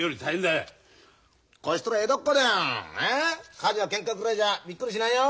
火事やけんかぐらいじゃびっくりしないよ。